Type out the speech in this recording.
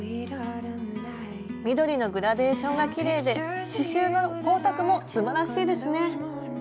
緑のグラデーションがきれいで刺しゅうの光沢もすばらしいですね。